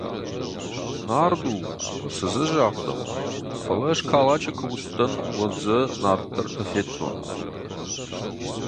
Нард у, цы дзы загъдӕуа, фӕлӕ ӕз Калачы куы уыдтӕн, уӕд дзы нарддӕртӕ федтон.